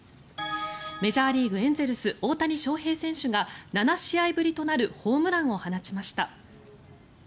メジャーリーグエンゼルス、大谷翔平選手が７試合ぶりとなるホームランを放ちました。